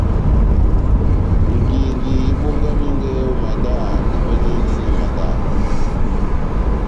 Ngingi ibongamingɛ ó madá, ivɛ́nɛndini madaha.